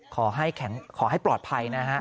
ขอให้ปลอดภัยนะฮะ